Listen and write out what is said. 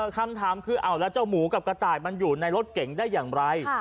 คำถามคือเอาแล้วเจ้าหมูกับกระต่ายมันอยู่ในรถเก่งได้อย่างไร